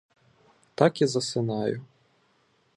Так і засинаю.